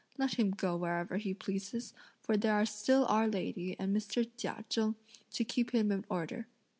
Let him go wherever he pleases; for there are still our lady and Mr. Chia Cheng to keep him in order.